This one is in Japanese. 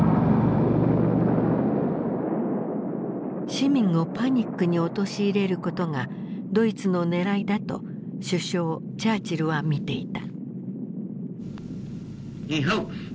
市民をパニックに陥れることがドイツの狙いだと首相チャーチルは見ていた。